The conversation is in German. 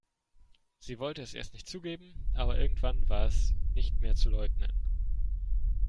Sie wollte es erst nicht zugeben, aber irgendwann war es nicht mehr zu leugnen.